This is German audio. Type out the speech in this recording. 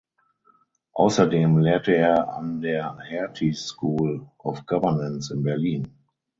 Außerdem lehrte er an der Hertie School of Governance in Berlin.